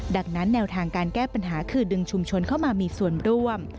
ดังนั้นแนวทางการแก้ปัญหาคือดึงชุมชนเข้ามามีส่วนร่วม